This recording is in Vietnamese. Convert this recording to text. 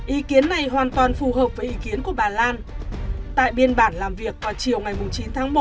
ý kiến này hoàn toàn phù hợp với ý kiến của bà lan tại biên bản làm việc vào chiều ngày chín tháng một